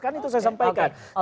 kan itu saya sampaikan